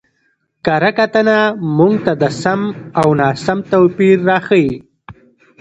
کره کتنه موږ ته د سم او ناسم توپير راښيي.